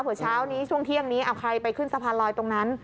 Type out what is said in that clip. เช้านี้ช่วงเที่ยงนี้เอาใครไปขึ้นสะพานลอยตรงนั้น